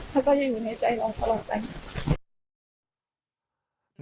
แล้วก็ยิงอยู่ในใจเราเพราะเราใจ